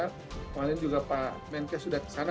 kemarin juga pak menkes sudah kesana